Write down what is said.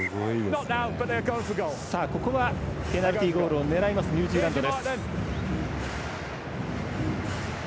ここは、ペナルティゴールを狙います、ニュージーランド。